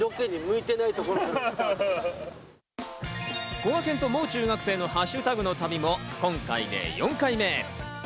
こがけんと、もう中学生のハッシュタグの旅も今回で４回目。